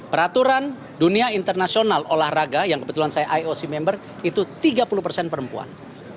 peraturan dunia internasional olahraga yang kebetulan saya ioc member itu tiga puluh persen perempuan